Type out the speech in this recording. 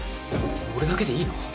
俺だけでいいの？